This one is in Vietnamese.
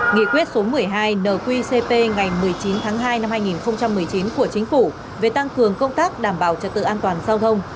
nghị quyết số một mươi hai nqcp ngày một mươi chín tháng hai năm hai nghìn một mươi chín của chính phủ về tăng cường công tác đảm bảo trật tự an toàn giao thông